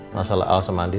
masalah alice sama adin